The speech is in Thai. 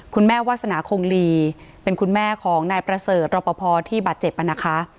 วาสนาคงลีเป็นคุณแม่ของนายประเสริฐรอปภที่บาดเจ็บนะคะ